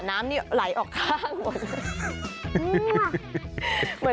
น้ำนี่ไหลออกข้างบน